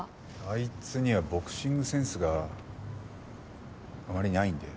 あいつにはボクシングセンスがあまりないんで。